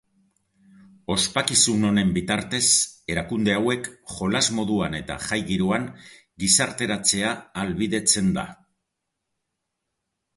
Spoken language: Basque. Ospakizun honen bitartez erakunde hauek jolas moduan eta jai giroan gizarteratzea ahalbidetzen da.